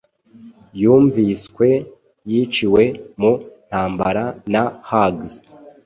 Yumviswe Yiciwe mu ntambara na Hugs